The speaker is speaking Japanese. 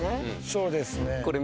そうですね。